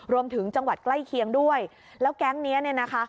และหลอกไล่เคียงด้วยแล้วแก๊งนี้เนี่ย